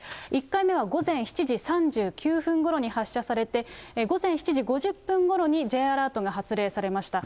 １回目は午前７時３９分ごろに発射されて、午前７時５０分ごろにＪアラートが発令されました。